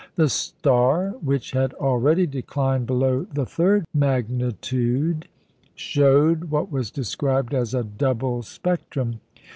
The star which had already declined below the third magnitude showed what was described as a double spectrum.